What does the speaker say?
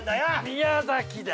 ◆宮崎だ。